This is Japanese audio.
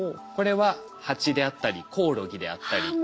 これはハチであったりコオロギであったり。